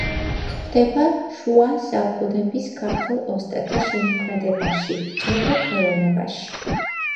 გვხვდება შუა საუკუნეების ქართველ ოსტატთა შემოქმედებაში, ჭედურ ხელოვნებაში.